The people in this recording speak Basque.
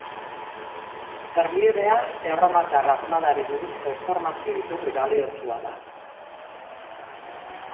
Erliebea, erromatar armadari buruzko informazio iturri baliotsua da.